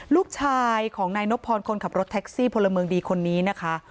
ลูกชายของนายนบพรคนขับรถแท็กซี่พลเมืองดีคนนี้นะคะ